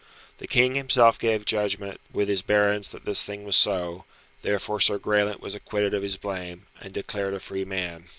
The King himself gave judgment with his barons that this thing was so; therefore Sir Graelent was acquitted of his blame, and declared a free man.